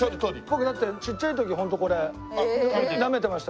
僕だってちっちゃい時ホントこれなめてました。